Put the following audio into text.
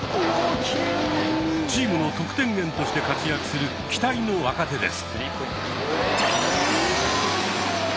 チームの得点源として活躍する期待の若手です。